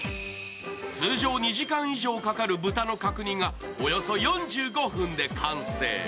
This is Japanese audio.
通常２時間以上かかる豚の角煮がおよそ４５分で完成。